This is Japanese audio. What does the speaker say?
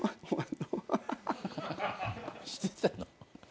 してたの？